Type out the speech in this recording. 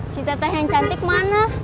si teteh yang cantik mana